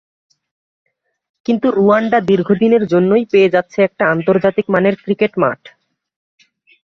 কিন্তু রুয়ান্ডা দীর্ঘদিনের জন্যই পেয়ে যাচ্ছে একটা আন্তর্জাতিক মানের ক্রিকেট মাঠ।